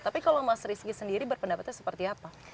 tapi kalau mas rizky sendiri berpendapatnya seperti apa